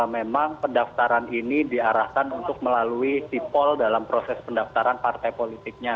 memang pendaftaran ini diarahkan untuk melalui sipol dalam proses pendaftaran partai politiknya